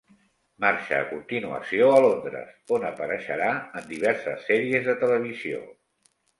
Marxa a continuació a Londres on apareixerà en diverses sèries de televisió.